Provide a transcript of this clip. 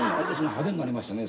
派手になりましたね